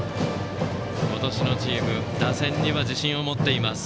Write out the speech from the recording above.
今年のチーム打線には自信を持っています。